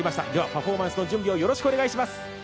パフォーマンスの準備をよろしくお願いします。